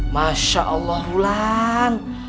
masya allah hulan